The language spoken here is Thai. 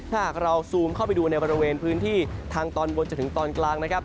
ถ้าหากเราซูมเข้าไปดูในบริเวณพื้นที่ทางตอนบนจนถึงตอนกลางนะครับ